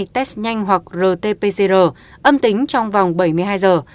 test nhanh hoặc rt pcr âm tính trong vòng bảy mươi hai giờ